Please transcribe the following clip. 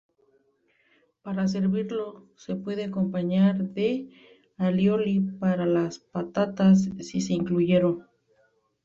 Para servirlo, se puede acompañar de alioli para las patatas si se incluyeron.